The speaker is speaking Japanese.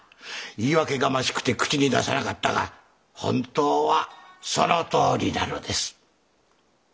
言い訳がましくて口に出さなかったが本当はそのとおりなのです。